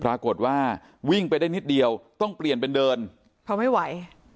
ปรากฏว่าวิ่งไปได้นิดเดียวต้องเปลี่ยนเป็นเดินเพราะไม่ไหว